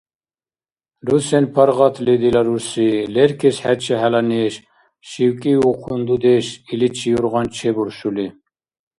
– Русен паргъатли, дила рурси, леркис хӀечи хӀела неш, – шивкӀивухъун дудеш, иличи юргъан чебуршули.